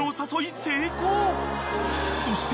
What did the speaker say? ［そして］